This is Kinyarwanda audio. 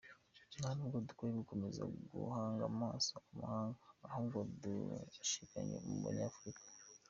Nta n’ubwo dukwiye gukomeza guhanga amaso amahanga, ahubwo dushikame ku Bunyafurika.